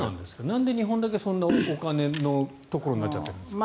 なんで日本だけそんなお金のところになっちゃっているんですか？